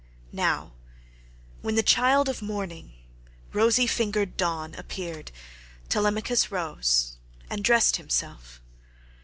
Now when the child of morning, rosy fingered Dawn, appeared Telemachus rose and dressed himself.